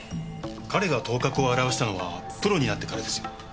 彼が頭角を現したのはプロになってからですよ。